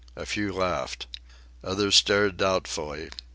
A few laughed. Others stared doubtfully.